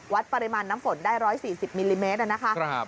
วัดปริมาณน้ำฝนได้ร้อยสี่สิบมิลลิเมตรนะคะครับ